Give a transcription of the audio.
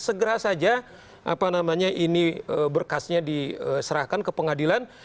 segera saja apa namanya ini berkasnya diserahkan ke pengadilan